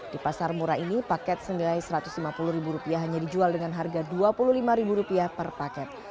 di pasar murah ini paket senilai rp satu ratus lima puluh hanya dijual dengan harga rp dua puluh lima per paket